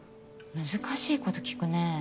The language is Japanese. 難しいこと聞くね。